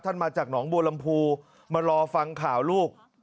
มาจากหนองบัวลำพูมารอฟังข่าวลูก